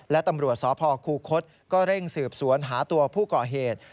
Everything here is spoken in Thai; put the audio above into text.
และตำรวจสพคูคศก็เร่งสืบสวนหาตัวผู้ก่อเหตุ